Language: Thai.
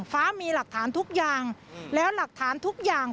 ฟ้ามีหลักฐานทุกอย่างแล้วหลักฐานทุกอย่าง